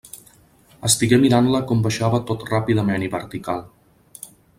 Estigué mirant-la com baixava tot ràpidament i vertical.